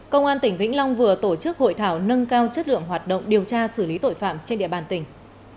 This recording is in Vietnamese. công an tỉnh vĩnh long vừa tổ chức hội thảo nâng cao chất lượng hoạt động điều tra xử lý tội phạm trên địa bàn tỉnh